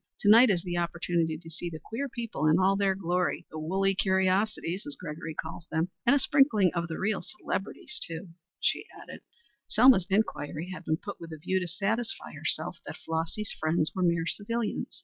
To night is the opportunity to see the queer people in all their glory the woolly curiosities, as Gregory calls them. And a sprinkling of the real celebrities too," she added. Selma's inquiry had been put with a view to satisfy herself that Flossy's friends were mere civilians.